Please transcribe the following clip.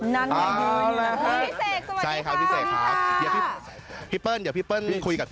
นั่งอย่างยุ่งพี่เศกสวัสดีครับ